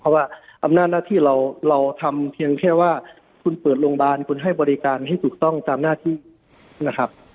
เพราะว่าอำนาจหน้าที่เราทำเพียงแค่ว่าคุณเปิดโรงพยาบาลคุณให้บริการให้ถูกต้องตามหน้าที่นะครับ